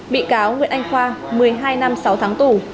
bị cáo nguyễn anh khoa một mươi hai năm sáu tháng tù